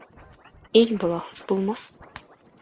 Ил болаһыҙ булмаҫ.